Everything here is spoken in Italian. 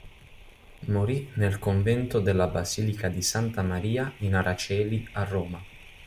Morì nel convento della basilica di Santa Maria in Aracoeli a Roma.